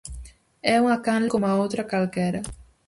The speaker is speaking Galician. É unha canle coma outra calquera.